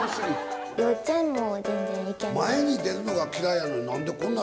前に出るのが嫌いやのに。